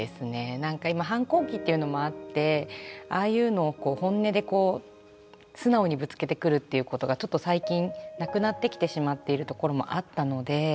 なんか今反抗期っていうのもあってああいうのを本音でこう素直にぶつけてくるっていうことがちょっと最近なくなってきてしまっているところもあったので。